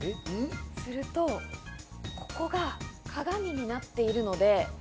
するとここが鏡になっているので。